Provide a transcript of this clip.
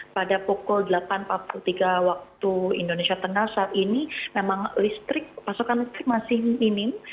pada pukul delapan empat puluh tiga waktu indonesia tengah saat ini memang listrik pasokan listrik masih minim